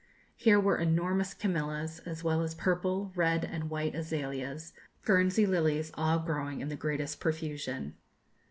Here were enormous camellias, as well as purple, red, and white azaleas, Guernsey lilies, all growing in the greatest profusion.